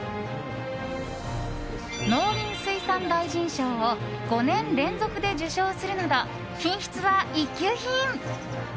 農林水産大臣賞を５年連続で受賞するなど、品質は一級品。